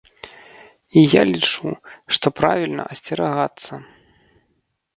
І я лічу, што правільна асцерагаецца.